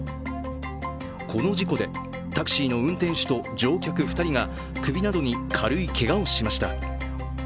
この事故で、タクシーの運転手と乗客２人が首などに軽いけがをしました。